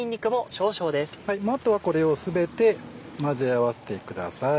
あとはこれを全て混ぜ合わせてください。